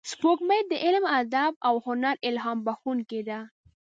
سپوږمۍ د علم، ادب او هنر الهام بخښونکې ده